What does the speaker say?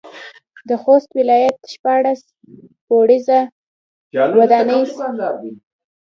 د خوست ولايت شپاړس پوړيزه وداني سرګردان چوک کې موقعيت لري.